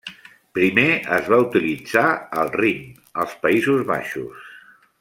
Primer es va utilitzar al Rin als Països Baixos.